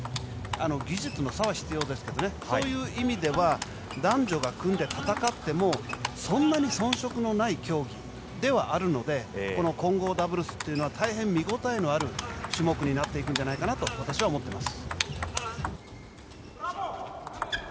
技術の差は必要ですけどそういう意味では男女が組んで戦ってもそんなにそん色のない競技ではあるので混合ダブルスというのは大変見応えのある種目になっていくんじゃないかと私は思ってます。